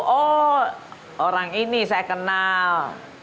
oh orang ini saya kenal